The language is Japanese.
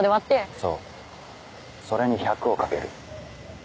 そうそれに１００をかける。